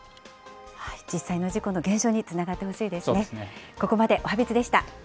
実際の事故の減少につながってほしいですね。